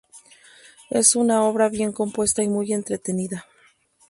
Es una obra bien compuesta y muy entretenida.